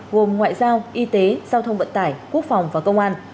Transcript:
gồm ngoại giao y tế giao thông vận tải quốc phòng và công an